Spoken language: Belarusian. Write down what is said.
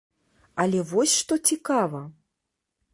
Але вось што цікава!